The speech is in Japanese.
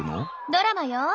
ドラマよ。